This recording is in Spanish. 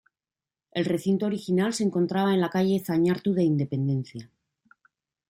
El recinto original se encontraba en la calle Zañartu de Independencia.